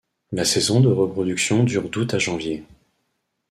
La saison de reproduction dure d'août à janvier.